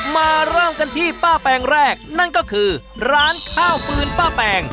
มาเริ่มกันที่ป้าแปงแรกนั่นก็คือร้านข้าวฟืนป้าแปง